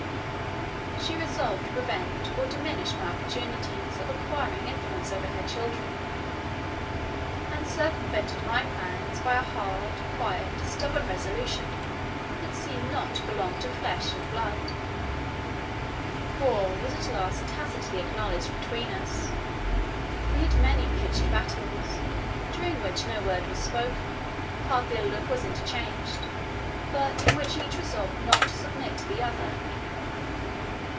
She resolved to prevent or diminish my opportunities of acquiring influence over her children, and circumvented my plans by a hard, quiet, stubborn resolution, that seemed not to belong to flesh and blood. War was at last tacitly acknowledged between us. We had many pitched battles, during which no word was spoken, hardly a look was interchanged, but in which each resolved not to submit to the other.